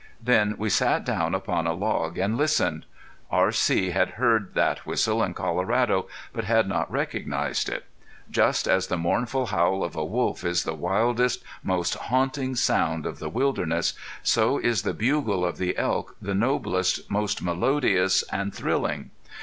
Then we sat down upon a log and listened. R.C. had heard that whistle in Colorado, but had not recognized it. Just as the mournful howl of a wolf is the wildest, most haunting sound of the wilderness, so is the bugle of the elk the noblest, most melodious and thrilling.